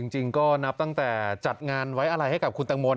จริงก็นับตั้งแต่จัดงานไว้อะไรให้กับคุณตังโม